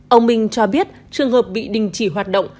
ông minh cho biết trường hợp bị đình chỉ hoạt động